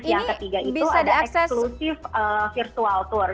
yang ketiga itu ada eksklusif virtual tour